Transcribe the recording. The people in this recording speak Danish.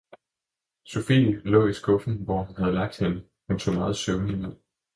Sophie lå i skuffen, hvor hun havde lagt hende, hun så meget søvnig ud.